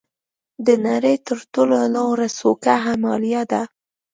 د نړۍ تر ټولو لوړه څوکه هیمالیا ده.